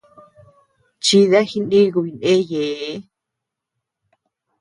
Chida jinikuy ndeyee.